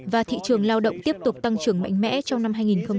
và thị trường lao động tiếp tục tăng trưởng mạnh mẽ trong năm hai nghìn một mươi tám